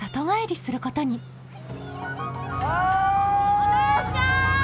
お姉ちゃん！